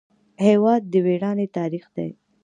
هېواد د میړانې تاریخ دی.